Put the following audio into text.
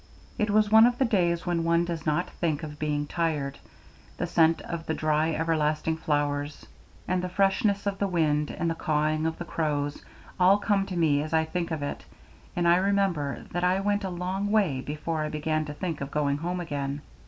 It was one of the days when one does not think of being tired: the scent of the dry everlasting flowers, and the freshness of the wind, and the cawing of the crows, all come to me as I think of it, and I remember that I went a long way before I began to think of going home again.